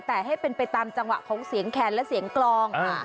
แต่ให้เป็นไปตามจังหวะของเสียงแขนและเสียงกลอง